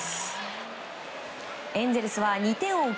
エンゼルスは２点を追う